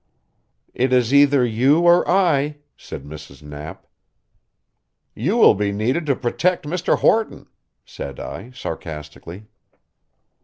"It is either you or I," said Mrs. Knapp. "You will be needed to protect Mr. Horton," said I sarcastically.